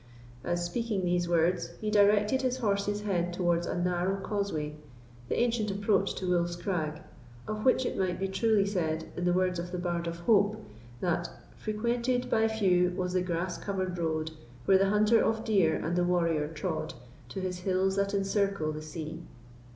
As speaking these words, he directed his horse's head towards a narrow causeway, the ancient approach to Wolf's Crag, of which it might be truly said, in the words of the Bard of Hope, that Frequented by few was the grass cover'd road, Where the hunter of deer and the warrior trode, To his hills that encircle the sea.